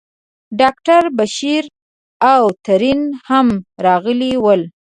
ډاکټر بشیر او ترین هم راغلي ول.